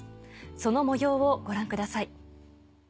その模様をご覧ください。